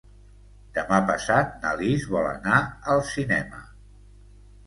Demà passat na Lis vol anar al cinema.